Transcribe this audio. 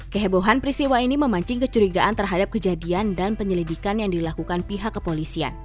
kehebohan peristiwa ini memancing kecurigaan terhadap kejadian dan penyelidikan yang dilakukan pihak kepolisian